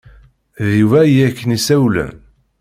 D Yuba i ak-n-isawalen.